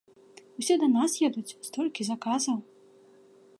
Усе да нас едуць, столькі заказаў!